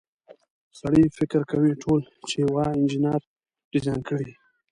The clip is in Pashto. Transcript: سړی فکر کوي ټول چې یوه انجنیر ډیزاین کړي.